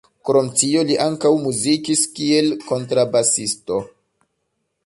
Krom tio li ankaŭ muzikis kiel kontrabasisto.